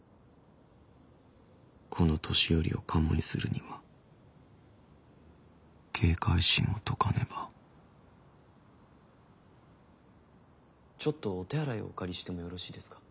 この年寄りをカモにするには警戒心を解かねばちょっとお手洗いをお借りしてもよろしいですか？